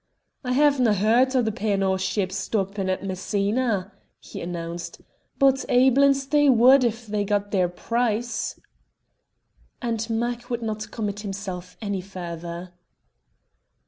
"I hav'na hear rd o' the P. and O. ships stoppin' at Messina," he announced, "but aiblins they wad if they got their price." And "Mac" would not commit himself any further.